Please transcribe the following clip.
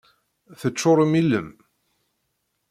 Teččurem ilem.